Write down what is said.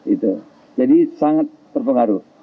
itu jadi sangat terpengaruh